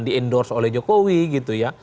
di endorse oleh jokowi gitu ya